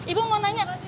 ibu mau tanya